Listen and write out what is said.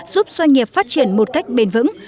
giúp doanh nghiệp phát triển một cách bền vững